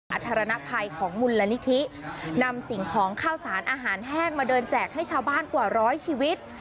อาคารภัยของมูลนิธินำสิ่งของข้าวสารอาหารแห้งมาเดินแจกให้ชาวบ้านกว่าร้อยชีวิต